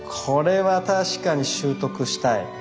これは確かに習得したい。